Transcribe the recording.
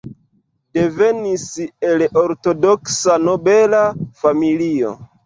Devenis el ortodoksa nobela familio.